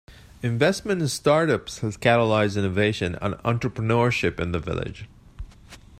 Investment in startups has catalyzed innovation and entrepreneurship in the village.